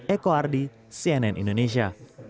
eko ardi cnn indonesia